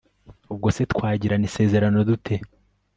ubwo se twagirana isezerano dute